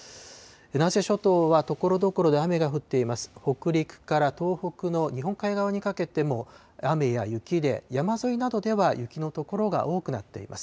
南西諸島はところどころで雨が降っています。